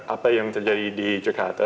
apa yang terjadi di jakarta